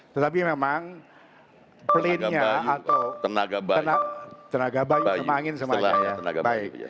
tetapi memang pelitnya atau tenaga bayu sama angin semuanya ya baik